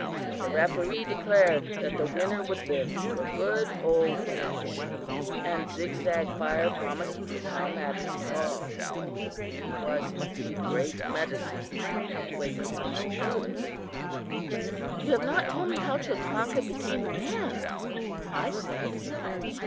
The referee declared that the winner would live to a good old age, and Zig Zag Fire promised to come at his call. He was indeed great medicine," Weyuha concluded. "But you have not told me how Chotanka became a man," I said.